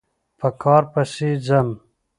په کار پسې ځم